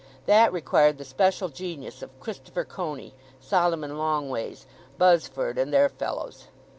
That required the special genius of Christopher Coney, Solomon Longways, Buzzford, and their fellows.